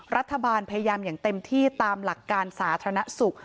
รัฐบาลพยายามอย่างเต็มที่ตามหลักการสาธารณสุข